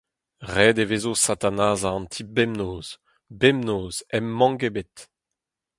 Ret e vezo satanazañ an ti bemnoz, bemnoz, hep mank ebet.